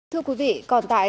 thưa quý vị